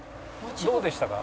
どうでしたか？